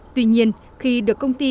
tuy nhiên khi được công ty